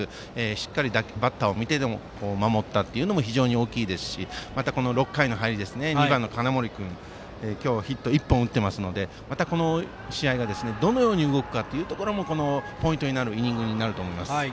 しっかりバッターを見て守ったというのも非常に大きいですし６回裏の入りも２番の金森君今日ヒット１本あるのでこの試合がどのように動くかもポイントになるイニングになると思います。